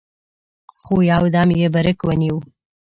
خو يودم يې برېک ونيو.